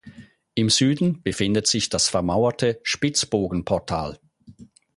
Im Süden befindet sich das vermauerte Spitzbogenportal.